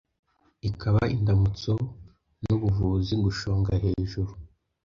ikaba indamutso nubuvuzi gushonga hejuru